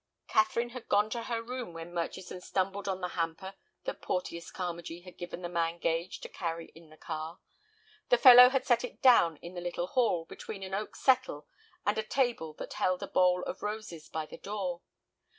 Catherine had gone to her room, when Murchison stumbled on the hamper that Porteus Carmagee had given the man Gage to carry in the car. The fellow had set it down in the little hall, between an oak settle and a table that held a bowl of roses by the door.